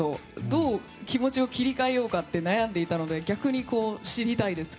どう気持ちを切り替えようかって悩んでいたので逆に知りたいです。